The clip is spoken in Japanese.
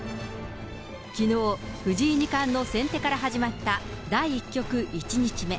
きのう、藤井二冠の先手から始まった第１局１日目。